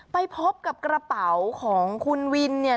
ไปพบกับกระเป๋าของคุณวินเนี่ย